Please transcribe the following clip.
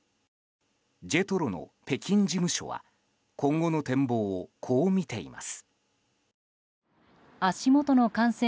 ＪＥＴＲＯの北京事務所は今後の展望をこう見ています。